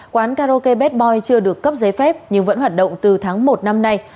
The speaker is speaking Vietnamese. quán karaoke bad boy chưa được cấp giấy phép nhưng vẫn hoạt động từ tháng một năm nay